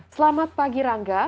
selamat pagi rangga